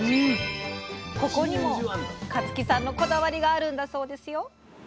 ここにも香月さんのこだわりがあるんだそうですよ！